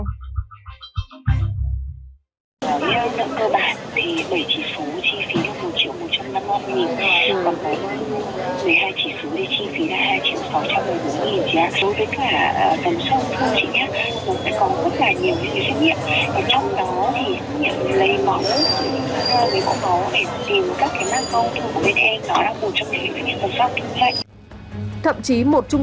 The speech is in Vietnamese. với hai chỉ số thì chi phí là hai sáu trăm một mươi bốn đồng